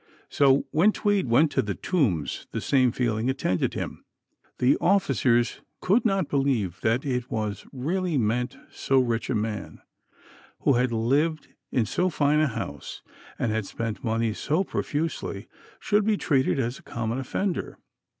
So when Tweed went to the Tombs the same feeling attended him. The officers could not believe that it was really meant so rich a man, who had lived in so fine a house, and had spent money so profusely, should be treated as a common offender.